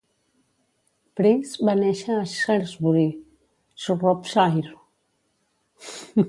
Preece va néixer a Shrewsbury, Shropshire.